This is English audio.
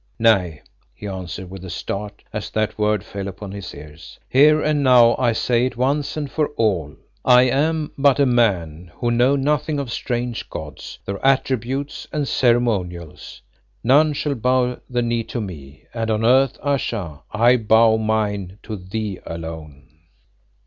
"Nay," he answered with a start as that word fell upon his ears. "Here and now I say it once and for all. I am but a man who know nothing of strange gods, their attributes and ceremonials. None shall bow the knee to me and on earth, Ayesha, I bow mine to thee alone."